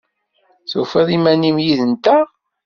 Tufiḍ iman-im yid-nteɣ?